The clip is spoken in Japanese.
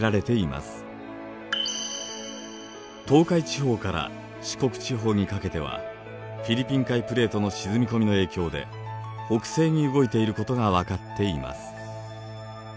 東海地方から四国地方にかけてはフィリピン海プレートの沈み込みの影響で北西に動いていることが分かっています。